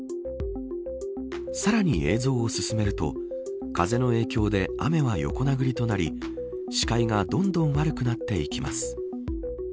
さらに映像を進めると風の影響で雨は横殴りとなり視界がどんどん悪くなっていきます。